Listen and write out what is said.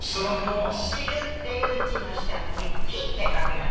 「知る」っていう字の下にね「日」って書くやつ。